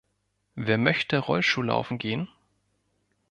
Wer möchte Rollschuhlaufen gehen?